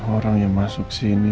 orang yang masuk sini